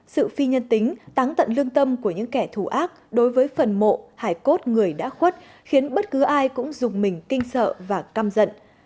sự phi nhân tính táng tận lương tâm của những kẻ thù ác đối với phần mộ hải cốt người đã khuất khiến bất cứ ai cũng dùng mình kinh sợ và căm giận